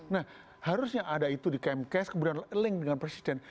nah harusnya ada itu di kmks kemudian link dengan presiden